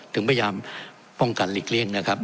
ถึงพยายามป้องกันหลีกเลี่ยงนะครับ